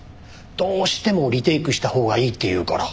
どうしてもリテイクしたほうがいいって言うから。